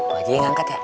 lu aja yang angkat ya